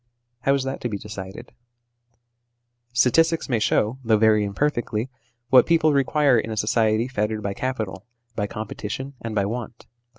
How is that to be decided ? 52 THE SOCIALIST IDEAL 53 Statistics may show (though very imperfectly) what people require in a society fettered by capital, by competition, and by want.